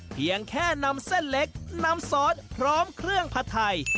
เพียงแค่นำเส้นเล็กน้ำซอสพร้อมเครื่องผัดไทย